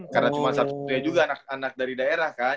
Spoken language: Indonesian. karena cuma satu punya juga anak dari daerah kan